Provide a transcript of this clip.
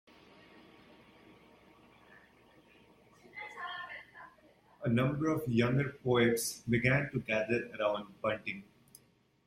A number of younger poets began to gather around Bunting.